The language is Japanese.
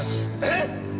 えっ！？